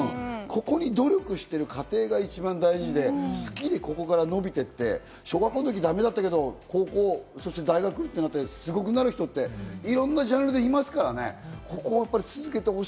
努力してる過程が一番大事で、好きでここから伸びてって、小学校の時、だめだったけど高校・大学行ってすごくなる人って、いろんなジャンルでいますからね。